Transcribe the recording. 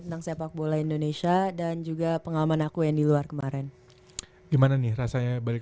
tentang sepak bola indonesia dan juga pengalaman aku yang di luar kemarin gimana nih rasanya balik